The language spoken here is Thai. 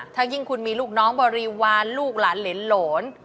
ถ้ายิ่งคุณมีลูกน้องบริวารลูกหลานเหรนโหลน